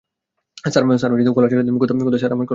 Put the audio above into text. Sir, collar ছেড়ে দেন-- - কোথায়-- স্যার, আমার কলার ছেড়ে দেন!